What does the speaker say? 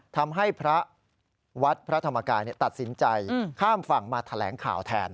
ทำให้พระวัดพระธรรมกายตัดสินใจข้ามฝั่งมาแถลงข่าวแทน